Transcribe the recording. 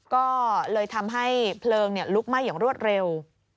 ก็เลยทำให้เพลิงลุกไหม้อย่างรวดเร็ว